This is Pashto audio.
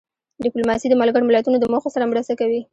ډیپلوماسي د ملګرو ملتونو د موخو سره مرسته کوي.